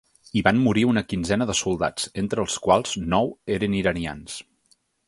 Hi van morir una quinzena de soldats, entre els quals nou eren iranians.